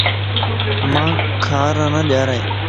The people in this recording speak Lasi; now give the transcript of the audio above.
مانک کار نه ڄارائي